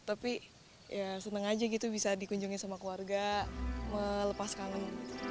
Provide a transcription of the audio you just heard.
tapi ya seneng aja gitu bisa dikunjungi sama keluarga melepas kangen